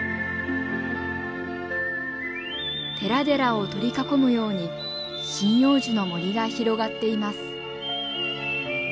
寺々を取り囲むように針葉樹の森が広がっています。